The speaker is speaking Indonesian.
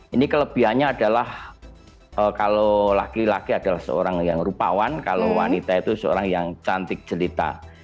ini kelebihannya adalah kalau laki laki adalah seorang yang rupawan kalau wanita itu seorang yang cantik jelita